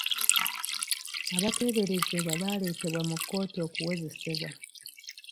Abateeberezebwa baleetebwa mu kkooti okuwozesebwa.